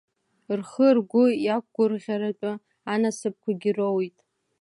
Рхы-ргәы иақәгәырӷьаратәы анасыԥқәагьы роуит.